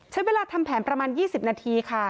ใช้เวลาทำแผนประมาณ๒๐นาทีค่ะ